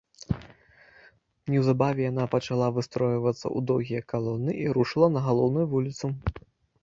Неўзабаве яна пачала выстройвацца ў доўгія калоны і рушыла на галоўную вуліцу.